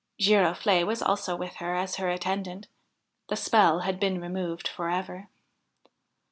Girofle'e was also with her as her attendant. The spell had been removed for ever.